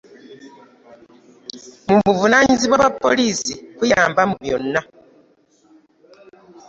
Buvunaanyizibwa bwa poliisi okukuyamba mu byonna.